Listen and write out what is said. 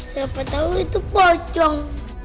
siapa tau itu pocong